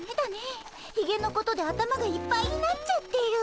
ひげのことで頭がいっぱいになっちゃってる。